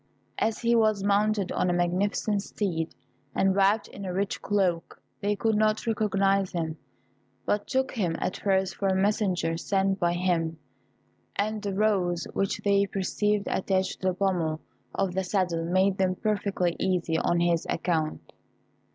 As he was mounted on a magnificent steed, and wrapt in a rich cloak, they could not recognise him, but took him at first for a messenger sent by him, and the rose which they perceived attached to the pummel of the saddle made them perfectly easy on his account.